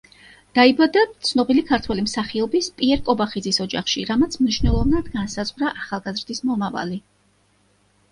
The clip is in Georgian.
დაიბადა ცნობილი ქართველი მსახიობის პიერ კობახიძის ოჯახში, რამაც მნიშვნელოვნად განსაზღვრა ახალგაზრდის მომავალი.